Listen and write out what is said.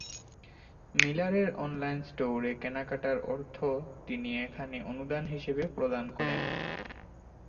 মিলারের online স্টোরে কেনাকাটার অর্থ তিনি এখানে অনুদান হিসেবে প্রদান করেন।